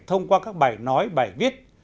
thông qua các bài nói bài viết